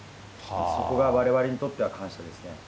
そこがわれわれにとっては感謝ですね。